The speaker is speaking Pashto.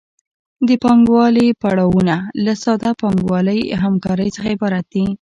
د پانګوالي پړاوونه له ساده پانګوالي همکارۍ څخه عبارت دي